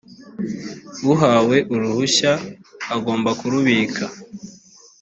uhawe uruhushya agomba kurubika